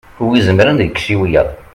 wi izemren ad ikkes i wiyaḍ